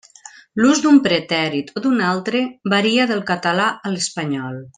L'ús d'un pretèrit o d'un altre varia del català a l'espanyol.